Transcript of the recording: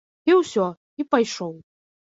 І ўсё, і пайшоў.